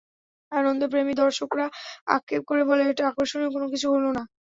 আনন্দপ্রেমী দর্শকরা আক্ষেপ করে বলে, এটা আকর্ষণীয় কোন কিছু হল না।